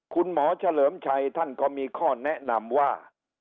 คุณหมอเฉลิมชัยท่านก็มีข้อแนะนำว่า